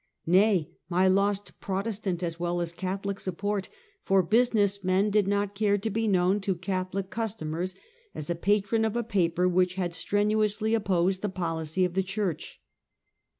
Nay, I lost Protestant as well as Cath olic support, for business men did not care to be known to Catholic customers as a patron of a paper which had strenuously opposed the policy of the church.